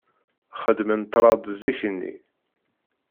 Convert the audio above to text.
Xedmen ṭrad zik-nni.